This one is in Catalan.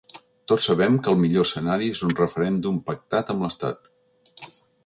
Tots sabem que el millor escenari és un referèndum pactat amb l’estat.